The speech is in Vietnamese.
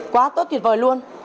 quá tốt tuyệt vời luôn